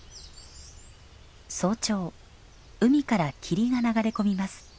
早朝海から霧が流れ込みます。